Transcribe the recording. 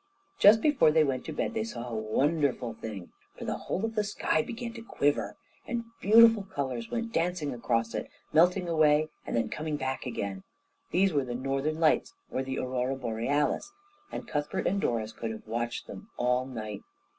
Just before they went to bed they saw a wonderful thing, for the whole of the sky began to quiver, and beautiful colours went dancing across it, melting away and then coming back again. These were the Northern Lights, or the Aurora Borealis, and Cuthbert and Doris could have watched them all night.